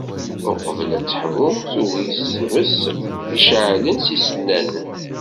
Uqbel ad teḥmu tugi s tmes iceɛlen s yisennanen.